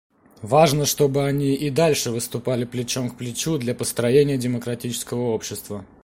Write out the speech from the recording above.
Важно, чтобы они и дальше выступали плечом к плечу для построения демократического общества.